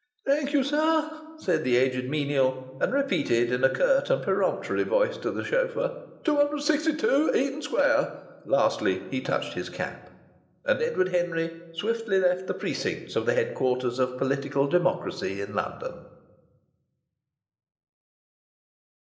"Thank you, sir," said the aged menial, and repeated in a curt and peremptory voice to the chauffeur, "262 Eaton Square!" Lastly he touched his cap. And Edward Henry swiftly left the precincts of the headquarters of political democracy in London.